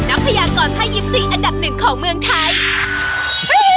นักพยากรพยิปซีอันดับหนึ่งของเมืองไทย